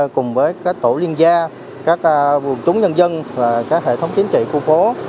cùng với tổ liên gia các vùng chúng nhân dân các hệ thống chính trị khu phố